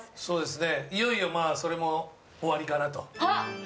そうですね、いよいよそれも終わりかなと。